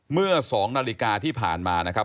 เมื่อ๒นาฬิกาที่ผ่านมานะครับ